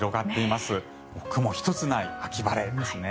もう雲一つない秋晴れですね。